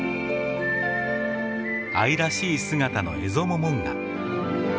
愛らしい姿のエゾモモンガ。